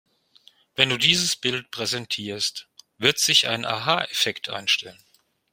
Wenn du dieses Bild präsentierst, wird sich ein Aha-Effekt einstellen.